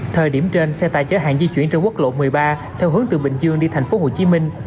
thời điểm trên xe tải chở hàng di chuyển trên quốc lộ một mươi ba theo hướng từ bình dương đi thành phố hồ chí minh